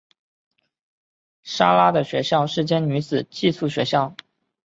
莎拉的学校是间女子寄宿学校。